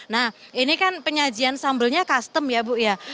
nah ini kan penyajian sambelnya custom ya bu ya